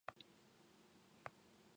灯台までたどり着けそうな勢いで歩いていく